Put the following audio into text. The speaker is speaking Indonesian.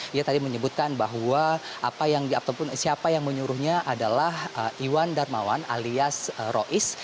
dia tadi menyebutkan bahwa siapa yang menyuruhnya adalah iwan darmawan alias rois